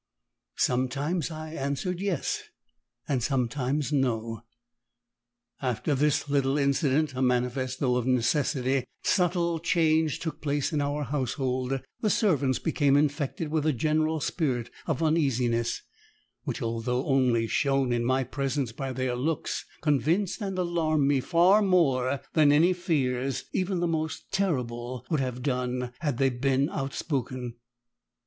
Sometimes I answered "Yes," and sometimes "No." After this little incident, a manifest, though of necessity, subtle change took place in our household; the servants became infected with a general spirit of uneasiness, which although only shown in my presence by their looks, convinced and alarmed me far more than any fears, even the most terrible, would have done had they been outspoken.